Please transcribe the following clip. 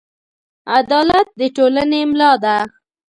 عدالت د ټولنې ملا ده.